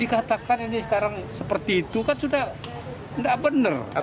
dikatakan ini sekarang seperti itu kan sudah tidak benar